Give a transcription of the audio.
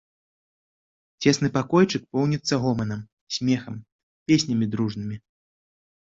Цесны пакойчык поўніцца гоманам, смехам, песнямі дружнымі.